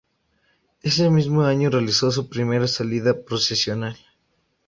Ese mismo año realizó su primera salida procesional.